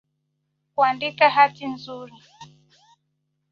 Kwandika hati nzuri